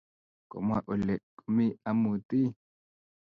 Komwa ole komi amut ii?